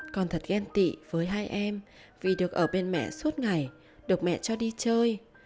con thật ghen tị với hai em vì được ở bên mẹ suốt ngày được mẹ cho đi chơi